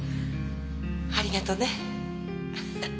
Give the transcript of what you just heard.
ありがとね。